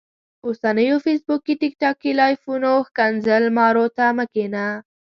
اوسنيو فيسبوکي ټیک ټاکي لايفونو ښکنځل مارو ته مه کينه